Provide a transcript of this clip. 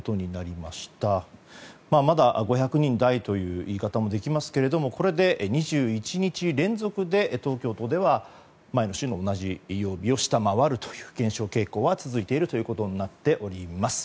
まだ５００人台という言い方もできますけれどもこれで２１日連続で東京都では前の週の同じ曜日を下回るという減少傾向は続いているということになっております。